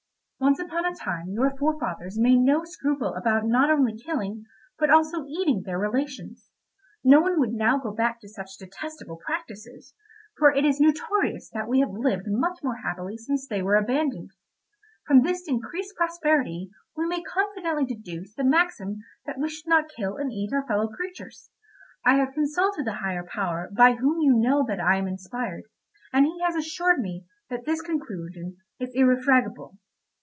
Once upon a time your fore fathers made no scruple about not only killing, but also eating their relations. No one would now go back to such detestable practices, for it is notorious that we have lived much more happily since they were abandoned. From this increased prosperity we may confidently deduce the maxim that we should not kill and eat our fellow creatures. I have consulted the higher power by whom you know that I am inspired, and he has assured me that this conclusion is irrefragable.